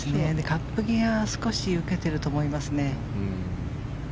カップ際が少し受けていると思いますね。